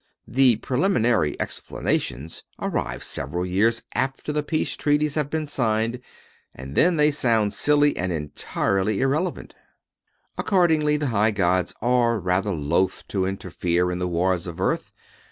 The preliminary explanations arrive several years after the peace treaties have been signed, and then they sound silly and entirely irrelevant. Accordingly, the high gods are rather loath to interfere in the wars of earth.